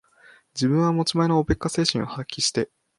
自分は持ち前のおべっか精神を発揮して、